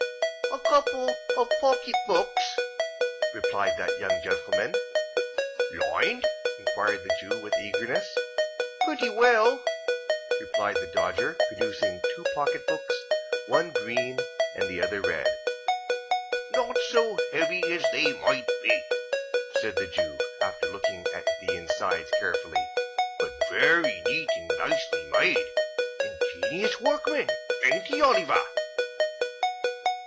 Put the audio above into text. "A couple of pocket books," replied that young gentlman. "Lined?" inquired the Jew, with eagerness. "Pretty well," replied the Dodger, producing two pocket books; one green, and the other red. "Not so heavy as they might be," said the Jew, after looking at the insides carefully; "but very neat and nicely made. Ingenious workman, ain't he, Oliver?"